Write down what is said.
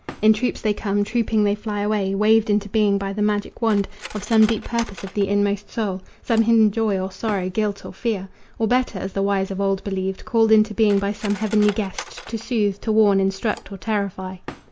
In troops they come, trooping they fly away, Waved into being by the magic wand Of some deep purpose of the inmost soul, Some hidden joy or sorrow, guilt or fear Or better, as the wise of old believed, Called into being by some heavenly guest To soothe, to warn, instruct or terrify.